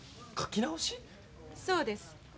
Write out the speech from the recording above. そうです。